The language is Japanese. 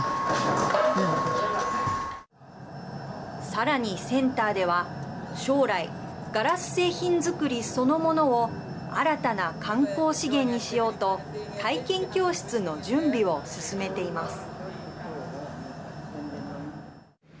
さらに、センターでは将来ガラス製品作りそのものを新たな観光資源にしようと体験教室の準備を進めています。